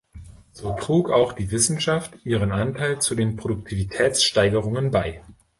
So trug auch die Wissenschaft ihren Anteil zu den Produktivitätssteigerungen bei.